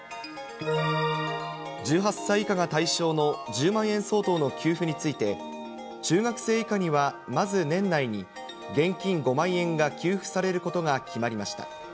１８歳以下が対象の１０万円相当の給付について、中学生以下にはまず年内に、現金５万円が給付されることが決まりました。